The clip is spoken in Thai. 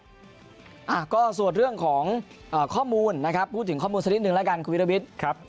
ก็เกี่ยวกับส่วนเรื่องของข้อมูลพูดถึงข้อมูลนิดนึงแล้วกันคุณวิทยาวิทยาวิทย์